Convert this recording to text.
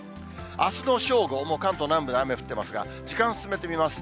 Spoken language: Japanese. あすの正午、もう関東南部で雨降ってますが、時間進めてみます。